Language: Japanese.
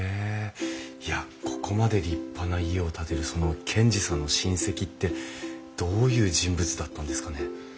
いやここまで立派な家を建てるその賢治さんの親戚ってどういう人物だったんですかね？